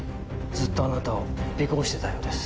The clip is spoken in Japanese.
ずっとあなたを尾行してたようです。